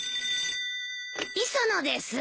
☎磯野です。